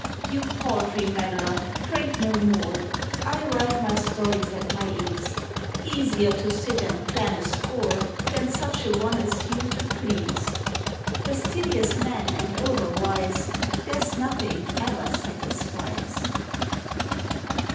You paltry meddler, prate no more, I write my stories at my ease. Easier to sit and plan a score, Than such a one as you to please. Fastidious men and overwise, There's nothing ever satisfies.